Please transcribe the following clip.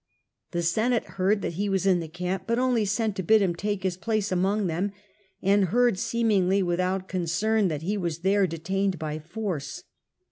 The Senate heard that he was in the camp, but only sent to bid him take his place among them, and heard seemingly without concern that he was there detained by force.